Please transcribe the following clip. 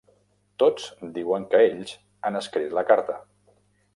Tots diuen que ells han escrit la carta.